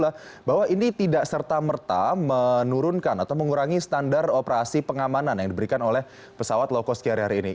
bahwa ini tidak serta merta menurunkan atau mengurangi standar operasi pengamanan yang diberikan oleh pesawat low cost carrier ini